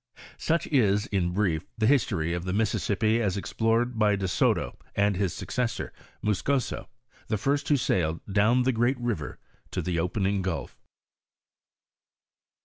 * Snch is, in brief, the history of the Mississippi as explored by De Soto, and his successor, Miiscoso, the first who sailed "Down the great river to the opening gulf."